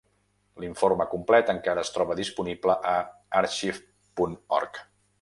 L'informe complet encara es troba disponible a Archive punt org.